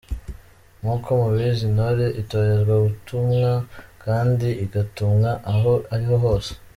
Nk’uko mubizi intore itorezwa gutumwa kandi igatumwa aho ariho hose.